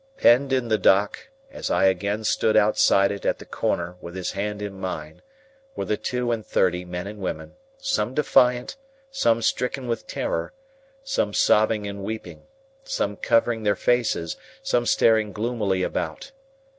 Penned in the dock, as I again stood outside it at the corner with his hand in mine, were the two and thirty men and women; some defiant, some stricken with terror, some sobbing and weeping, some covering their faces, some staring gloomily about.